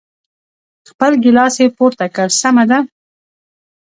خپل ګیلاس یې پورته کړ، سمه ده.